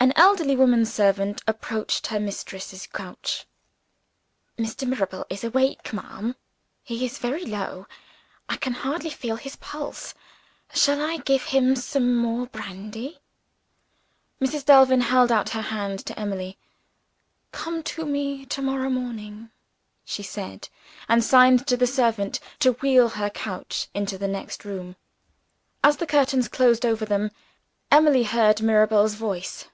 An elderly woman servant approached her mistress's couch. "Mr. Mirabel is awake, ma'am. He is very low; I can hardly feel his pulse. Shall I give him some more brandy?" Mrs. Delvin held out her hand to Emily. "Come to me to morrow morning," she said and signed to the servant to wheel her couch into the next room. As the curtain closed over them, Emily heard Mirabel's voice.